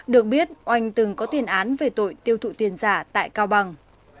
được biết oanh từng có tiền án về tội tiêu thụ tiền giả tại cao bằng